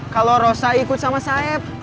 kalau rosa ikut sama sayap